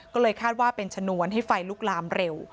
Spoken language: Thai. ก็เลยคาดว่าเป็นชนวนให้ไฟลุกลามเร็ว